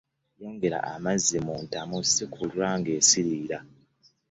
Yongera amazzi mu ntamu si kulwa ng'esirira.